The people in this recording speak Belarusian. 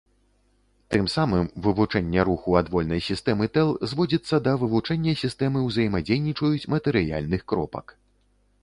Тым самым вывучэнне руху адвольнай сістэмы тэл зводзіцца да вывучэння сістэмы ўзаемадзейнічаюць матэрыяльных кропак.